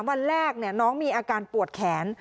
วันแรกน้องมีอาการปวดแขน